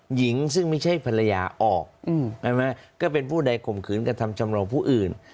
หญิงซึ่งไม่ใช่ภรรยาออกก็เป็นผู้ใดข่มขืนกระทำชำราวผู้อื่น